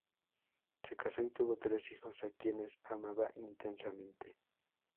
Se casó y tuvo tres hijos, a quienes amaba intensamente.